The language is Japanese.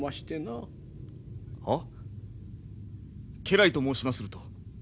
家来と申しますると。